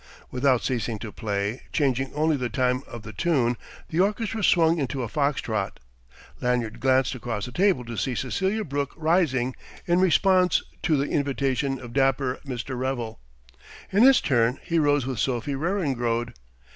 Without ceasing to play, changing only the time of the tune, the orchestra swung into a fox trot. Lanyard glanced across the table to see Cecelia Brooke rising in response to the invitation of dapper Mr. Revel. In his turn, he rose with Sophie Weringrode.